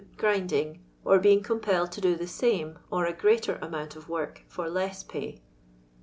Grinding, or being compelled to do the ■ame or a greater amount of work for less pay.